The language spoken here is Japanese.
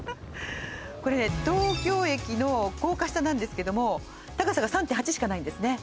これね東京駅の高架下なんですけども高さが３．８しかないんですね